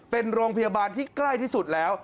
เป็นโรงพยาบาลที่ใกล้ที่สุดแล้ว